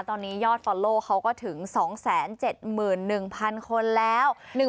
ตอนนี้ยอดฟอลโลเขาก็ถึง๒๗๑๐๐๐คนแล้ว